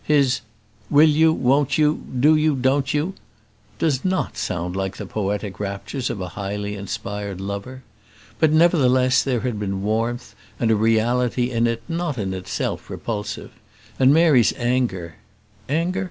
His "will you, won't you do you, don't you?" does not sound like the poetic raptures of a highly inspired lover. But, nevertheless, there had been warmth, and a reality in it not in itself repulsive; and Mary's anger anger?